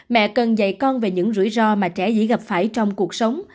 mẹ cần dạy con về những rủi ro mà trẻ dĩ gặp phải trong cuộc sống